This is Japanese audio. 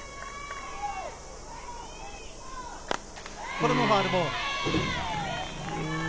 これもファウルボール。